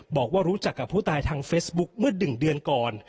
บอกว่ารู้จักกับผู้ตายทางเฟซบุ๊คเมื่อ๑เดือนก่อน